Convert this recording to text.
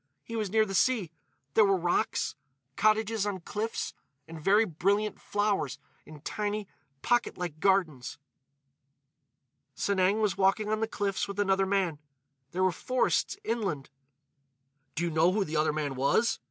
"He was near the sea. There were rocks—cottages on cliffs—and very brilliant flowers in tiny, pocket like gardens. "Sanang was walking on the cliffs with another man. There were forests, inland." "Do you know who the other man was?"